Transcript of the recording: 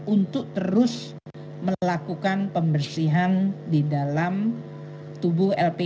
untuk terus melakukan pembersihan di dalam tubuh lp